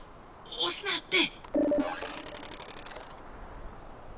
おすなって！